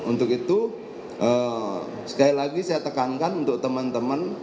untuk itu sekali lagi saya tekankan untuk teman teman